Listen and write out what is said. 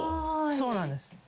そうなんです。